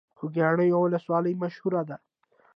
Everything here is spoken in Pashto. خوږیاڼیو ولسوالۍ مشهوره ده؟